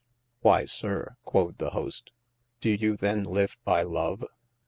Why sir, (quod the host,) do you the live by love